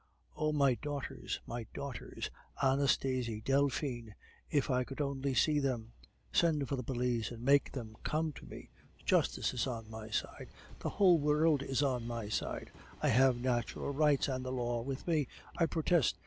Oh, my daughters, my daughters! Anastasie! Delphine! If I could only see them! Send for the police, and make them come to me! Justice is on my side, the whole world is on my side, I have natural rights, and the law with me. I protest!